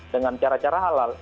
dengan cara cara halal